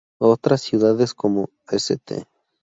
Otras ciudades como St.